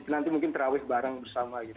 nanti mungkin terawih bareng bersama gitu